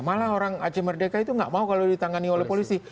malah orang aceh merdeka itu nggak mau kalau ditangani oleh polisi